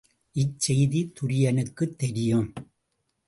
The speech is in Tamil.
இச்செய்தி துரியனுக்குத் தெரியும்.